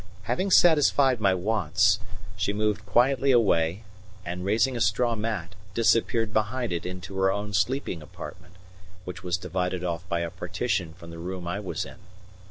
Having satisfied my wants, she moved quietly away and, raising a straw mat, disappeared behind it into her own sleeping apartment, which was divided off by a partition from the room I was in.